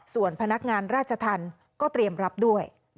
ส่วนพนักงานราชธรรมก็เตรียมรับด้วย